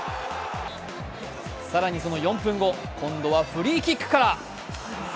更にその４分後、今度はフリーキックから。